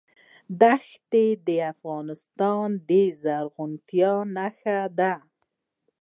دښتې د افغانستان د زرغونتیا نښه ده.